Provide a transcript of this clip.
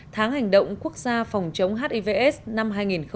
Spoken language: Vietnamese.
tháng hành động quốc gia phòng chống hiv aids năm hai nghìn một mươi bảy